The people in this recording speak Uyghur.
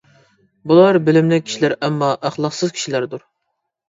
بۇلار بىلىملىك كىشىلەر ئەمما، ئەخلاقسىز كىشىلەردۇر.